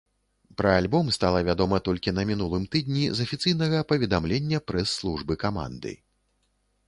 Пра альбом стала вядома толькі на мінулым тыдні з афіцыйнага паведамлення прэс-службы каманды.